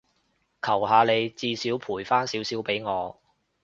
求下你，至少賠返少少畀我